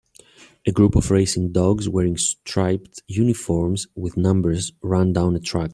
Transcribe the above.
A group of racing dogs wearing striped uniforms with numbers run down a track.